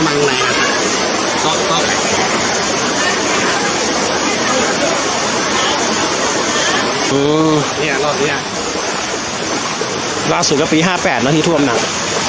นี่อ่ะรอดนี้อ่ะล่าสุดก็ปีห้าแปดแล้วที่ท่วมหนัง